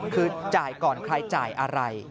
คือจ่ายก่อนใครจ่ายอะไร